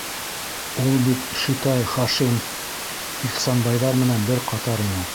Ул бит, шитай, Хашим, Ихсанбайҙар менән бер ҡатар ине.